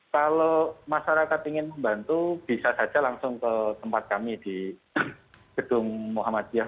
kalau masyarakat ingin membantu bisa saja langsung ke tempat kami di gedung muhammadiyah